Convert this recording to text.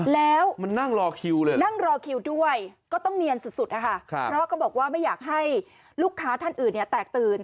แล้วนั่งรอคิวด้วยก็ต้องเนียนสุดค่ะเพราะเขาบอกว่าไม่อยากให้ลูกค้าท่านอื่นแตกตื่น